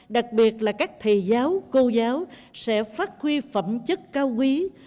đặc biệt là các thầy giáo cô giáo sẽ phát huy phẩm chất cao quý